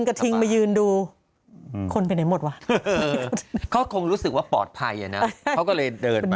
กระทิงมายืนดูคนไปไหนหมดวะเขาคงรู้สึกว่าปลอดภัยอ่ะนะเขาก็เลยเดินมา